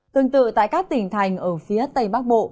tương tự tại các tỉnh thành ở phía tây bắc bộ